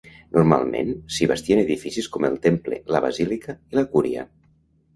Normalment s'hi bastien edificis com el temple, la basílica i la cúria.